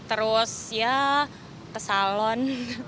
terus ya ke salon